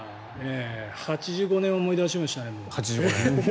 ８５年を思い出しましたね。